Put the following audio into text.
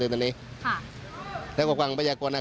เมื่อวานนี้เราแก้ไขปัญหายังไงไปแล้ว